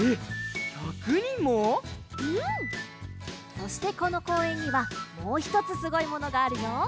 そしてこのこうえんにはもうひとつすごいものがあるよ！